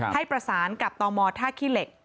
ให้ประสานกับตมท่าขี้เหล็ก